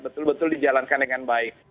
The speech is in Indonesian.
betul betul dijalankan dengan baik